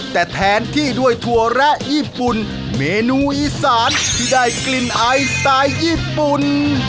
แต่แทนที่ด้วยถั่วแระญี่ปุ่นเมนูอีสานที่ได้กลิ่นไอสไตล์ญี่ปุ่น